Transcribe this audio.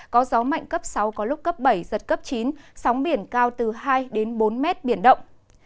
có gió mạnh cấp sáu có lúc cấp bảy giật cấp chín sóng biển cao từ hai đến bốn mét biển động